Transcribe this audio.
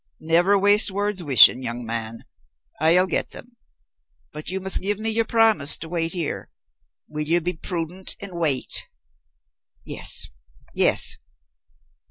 "Never waste words wishing, young man. I'll get them. But you must give me your promise to wait here. Will you be prudent and wait?" "Yes, yes."